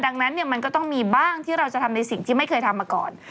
ดังนั้นเนี่ยมันก็ต้องมีบ้างที่เราจะทำในสิ่งที่ไม่เคยทำมาก่อน